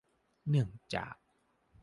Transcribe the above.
เนื่องจาก